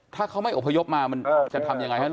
ถ้าเขาไม่อพยพมามันจะทำอย่างไรครับ